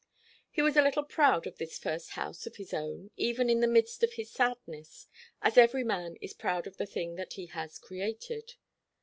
He was a little proud of this first house of his own, even in the midst of his sadness, as every man is proud of the thing that he has created.